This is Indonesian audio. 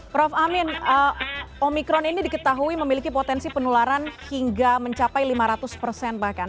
prof amin omikron ini diketahui memiliki potensi penularan hingga mencapai lima ratus persen bahkan